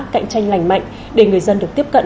cạnh tranh lành mạnh để người dân được tiếp cận